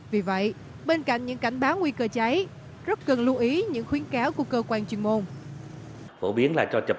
vì vậy bên cạnh những cảnh báo nguy cơ cháy rất cần lưu ý những khuyến cáo của cơ quan chuyên môn